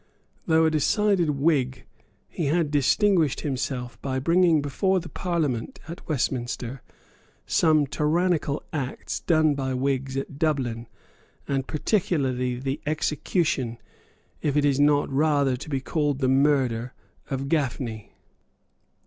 Though a decided Whig, he had distinguished himself by bringing before the Parliament at Westminster some tyrannical acts done by Whigs at Dublin, and particularly the execution, if it is not rather to be called the murder, of Gafney.